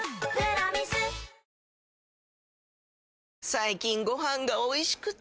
最近ご飯がおいしくて！